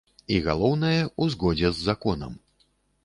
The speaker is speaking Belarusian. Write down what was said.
І галоўнае, у згодзе з законам.